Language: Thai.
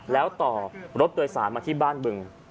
แล้วต่อรถโดยสารมาที่บ้านบึง